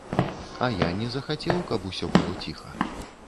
А я не захацеў, каб усё было ціха.